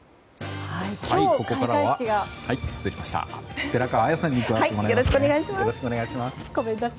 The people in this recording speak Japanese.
ここからは寺川綾さんに加わってもらいます。